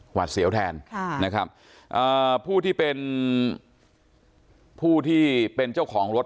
หวาดเสียวแทนนะครับผู้ที่เป็นผู้ที่เป็นเจ้าของรถ